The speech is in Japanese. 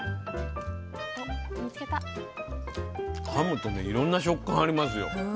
かむといろんな食感がありますよ。